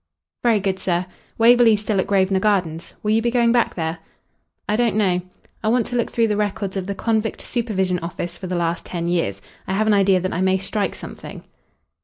"Very good, sir. Waverley's still at Grosvenor Gardens. Will you be going back there?" "I don't know. I want to look through the records of the Convict Supervision Office for the last ten years. I have an idea that I may strike something."